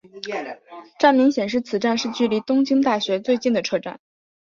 站名显示此站是距离东京大学最近的车站。